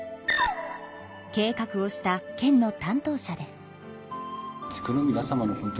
計画をした県の担当者です。